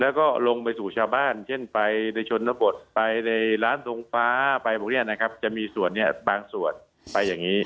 แล้วก็ลงไปสู่ชาวบ้านเช่นไปในชนบทไปในร้านทรงฟ้าไปพวกนี้นะครับจะมีส่วนบางส่วนไปอย่างนี้